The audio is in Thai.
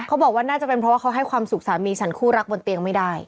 เขาบอกว่าน่าจะเป็นเพราะว่าเขาให้ความสุขสามีฉันคู่รักบนเตียงไม่ได้